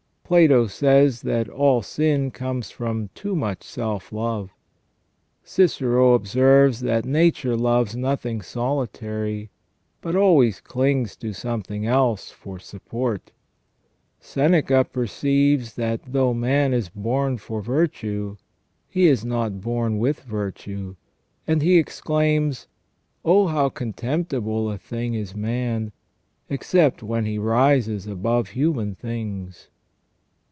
Plato says, that "all sin comes from too much self love ".f Cicero observes, that " Nature loves nothing solitary, but always clings to something else for support".^ Seneca perceives that " though man is born for virtue, he is not born with virtue ";§ and he exclaims :" Oh, how contemptible a thing is man, except when he rises above human things